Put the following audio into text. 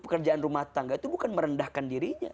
pekerjaan rumah tangga itu bukan merendahkan dirinya